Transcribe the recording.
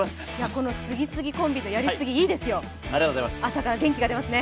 このスギスギコンビのやりすぎ、いいですよ、朝から元気が出ますね。